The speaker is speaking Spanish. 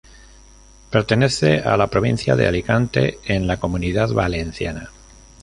Pertenece a la provincia de Alicante en la Comunidad Valenciana.